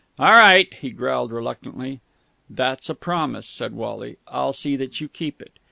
"All right!" he growled reluctantly. "That's a promise," said Wally. "I'll see that you keep it."